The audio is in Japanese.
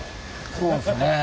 そうですね。